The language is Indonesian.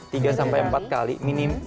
tiga sampai empat kali minim